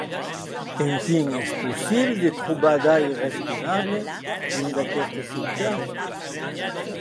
Mès, ei possible trapar aire respirable en aguesta ciutat?